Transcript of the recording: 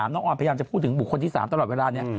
น้องออนพยายามจะพูดถึงบุคคลที่๓ตลอดเวลานี้